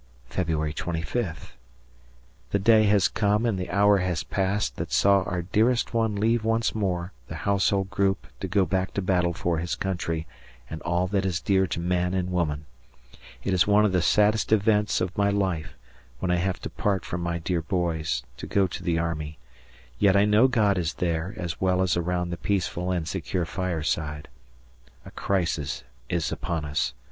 Feb. 25th. The day has come and the hour has passed that saw our dearest one leave once more the household group to go back to battle for his country and all that is dear to man and woman. It is one of the saddest events of my life, when I have to part from my dear boys, to go to the Army, yet I know God is there as well as around the peaceful and secure fireside. ... A crisis is upon us.